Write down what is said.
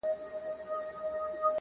پرمختګ د ثبات او هڅې ګډه مېوه ده.!